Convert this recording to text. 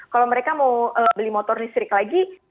kalau mereka mau beli motor listrik lagi